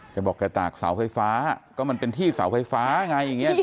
แกบอกแกตากเสาไฟฟ้าก็มันเป็นที่เสาไฟฟ้าไงอย่างนี้